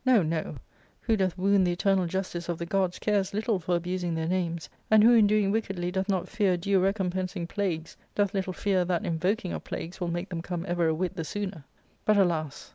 No, no ; who doth wound the eternal justice of the gods cares little for abusing their names, and who in doing wickedly doth not fear due recompensing plagues, doth little fear that invoking of plagues will make them come ever a whit the sooner. But, alas